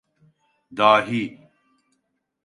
Dahi…